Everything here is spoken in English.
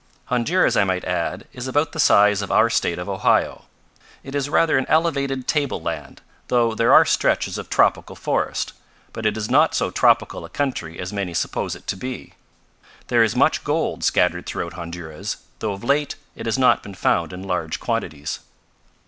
"Honduras, I might add, is about the size of our state of Ohio. It is rather an elevated tableland, though there are stretches of tropical forest, but it is not so tropical a country as many suppose it to be. There is much gold scattered throughout Honduras, though of late it has not been found in large quantities.